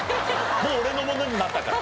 もう俺のものになったから。